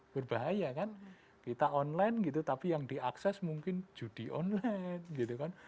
berbahaya kan kita online gitu tapi yang diakses mungkin judi online gitu kan